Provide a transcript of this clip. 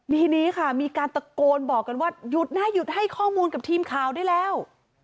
ทีนี้ค่ะมีการตะโกนบอกกันว่าหยุดนะหยุดให้ข้อมูลกับทีมข่าวได้แล้ว